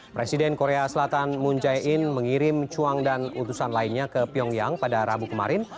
presiden korea selatan moon jae in mengirim chuang dan utusan lainnya ke pyongyang pada rabu kemarin